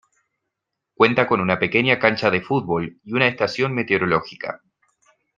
Cuenta con una pequeña cancha de fútbol y una estación meteorológica.